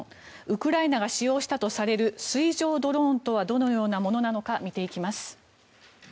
ウクライナが使用したとされる水上ドローンとはどのようなものなのか見ていきます。